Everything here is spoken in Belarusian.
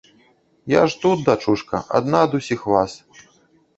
Я ж тут, дачушка, адна ад усіх вас.